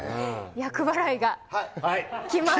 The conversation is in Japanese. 厄払いがきます。